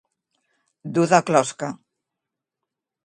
Dur de closca.